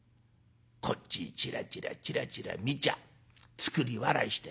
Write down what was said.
こっちチラチラチラチラ見ちゃ作り笑いして。